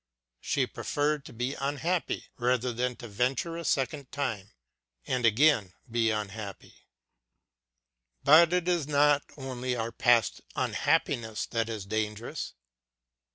She preferred to be unhappy rather than to venture a second time and again be unhappy. But it is not only our past unhappiness that is dangerous.